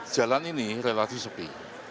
jalan ini relatif sepi